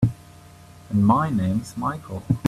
And my name's Michael.